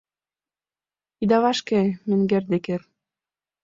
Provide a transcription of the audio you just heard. — Ида вашке, менгер Деккер!